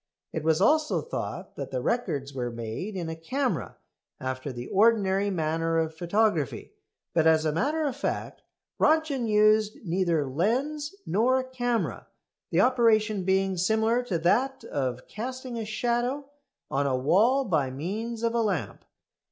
It was also thought that the records were made in a camera after the ordinary manner of photography, but as a matter of fact Röntgen used neither lens nor camera, the operation being similar to that of casting a shadow on a wall by means of a lamp.